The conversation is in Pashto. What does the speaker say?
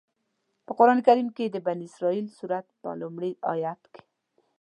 په قرآن کریم کې د بنی اسرائیل سورت په لومړي آيت کې.